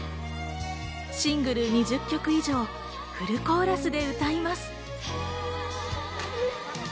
シングル２０曲以上をフルコーラスで歌います。